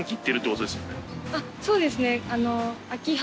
女性：そうですね。